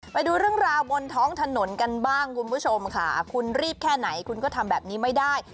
ไปดูเรื่องราวบนท้องถนนกันบ้างคุณผู้ชมค่ะคุณรีบแค่ไหนคุณก็ทำแบบนี้ไม่ได้